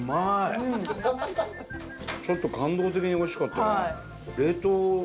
ちょっと感動的においしかったな。